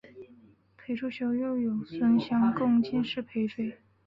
裴处休又有孙乡贡进士裴岩。